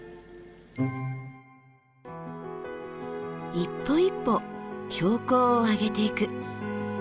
一歩一歩標高を上げていく。